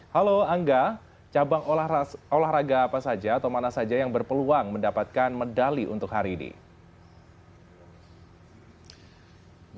halo angga cabang olahraga apa saja atau mana saja yang berpeluang mendapatkan medali untuk hari ini